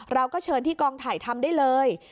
เราก็เชิญที่กองถ่ายทำได้เลย